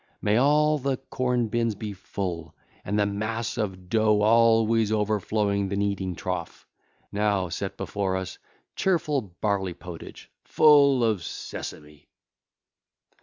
May all the corn bins be full and the mass of dough always overflow the kneading trough. Now (set before us) cheerful barley pottage, full of sesame....